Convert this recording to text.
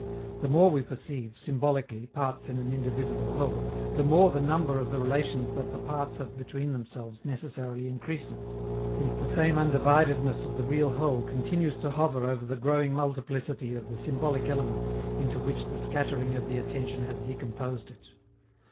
The more we perceive, symbolically, parts in an indivisible whole, the more the number of the relations that the parts have between themselves necessarily increases, since the same undividedness of the real whole continues to hover over the growing multiplicity of the symbolic elements into which the scattering of the attention has decomposed it.